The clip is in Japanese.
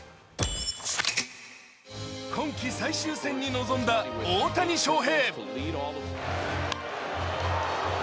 今季最終戦に臨んだ大谷翔平。